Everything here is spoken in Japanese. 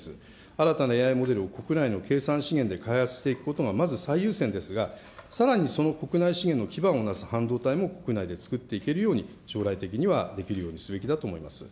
新たなＡＩモデルを国内の計算資源で開発していくことがまず最優先ですが、さらにその国内資源の基盤をなす半導体も国内で作っていけるように、将来的にはできるようにすべきだと思います。